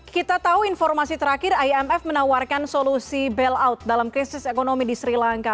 kita tahu informasi terakhir imf menawarkan solusi bailout dalam krisis ekonomi di sri lanka